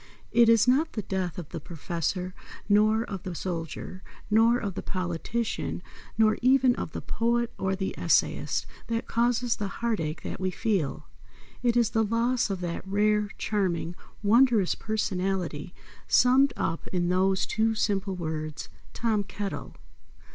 It is not the death of the Professor, nor of the soldier, nor of the politician nor even of the poet or the essayist that causes the heart ache that we feel. It is the loss of that rare, charming, wondrous personality summed up in those two simple words, TOM KETTLE.